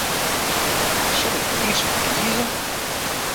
Sil ik Frysk kieze?